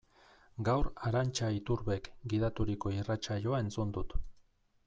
Gaur Arantxa Iturbek gidaturiko irratsaioa entzun dut.